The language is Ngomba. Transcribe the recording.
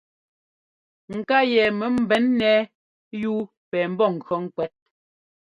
Ŋká yɛ mɔ ḿbɛn ńnɛ́ɛ yúu pɛ mbɔ́ŋkʉɔ́ ŋ́kwɛ́t.